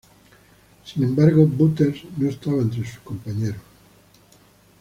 Sin embargo, Butters no está entre sus compañeros.